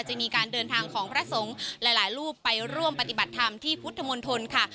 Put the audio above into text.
จะมีการเดินทางของพระสงฆ์หลายรูปไปร่วมปฏิบัติธรรมที่พุทธมนตรค่ะ